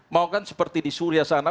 mau kan seperti di suria sana